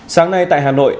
sáng nay tại hà nội